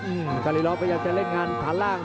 ย่าการีลอฟประจำเล่นงานถาร่าง